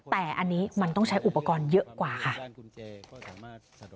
แต่อันนี้มันต้องใช้อุปกรณ์เยอะกว่าค่ะ